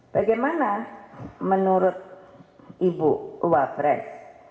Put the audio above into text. bagaimana menurut ibu wapres